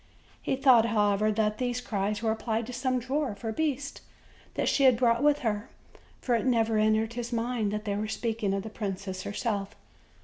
He thought, however, that these cries were applied to some dwarf or beast that she had brought with her; for it never entered his mind that they were speaking of the princess herself.